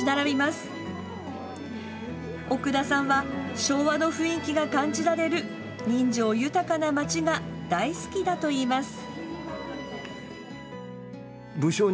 奥田さんは昭和の雰囲気が感じられる人情豊かな街が大好きだといいます。